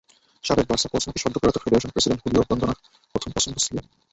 সাবেক Barca coach নাকি সদ্যপ্রয়াত ফেডারেশন প্রেসিডেন্ট হুলিও গ্রন্দোনার প্রথম পছন্দ ছিলেন।